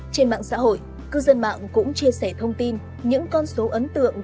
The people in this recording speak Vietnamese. trên mạng xã hội cư dân mạng cũng chia sẻ thông tin những con số ấn tượng